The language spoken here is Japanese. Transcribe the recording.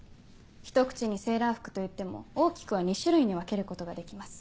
ひと口にセーラー服といっても大きくは２種類に分けることができます。